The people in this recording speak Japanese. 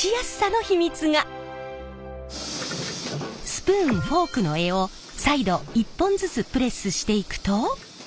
スプーンフォークの柄を再度一本ずつプレスしていくと。